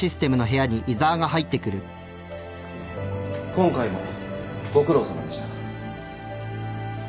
・今回もご苦労さまでした。